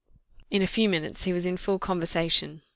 In a few minutes he was in full conversation.